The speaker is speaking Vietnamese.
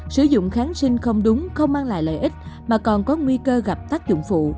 sử dụng kháng sinh không đúng không mang lại lợi ích mà còn có nguy cơ gặp tác dụng phụ